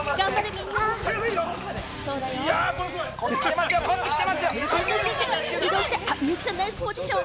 みゆきさん、ナイスポジション！